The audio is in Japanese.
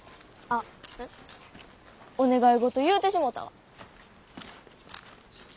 お願い事言うてしもたわ。